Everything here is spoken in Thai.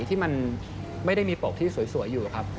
ที่มันไม่ได้มีปกที่สวยอยู่ครับ